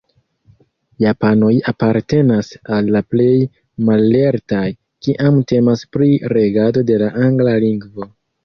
Japanoj apartenas al la plej mallertaj, kiam temas pri regado de la angla lingvo.